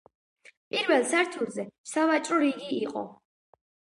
პირველ სართულზე სავაჭრო რიგი იყო.